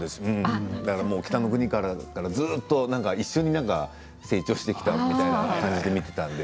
「北の国から」とずっと一緒に成長してきたみたいな感じですね。